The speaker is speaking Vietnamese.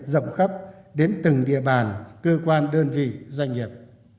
rộng khắp đến từng địa bàn cơ quan đơn vị doanh nghiệp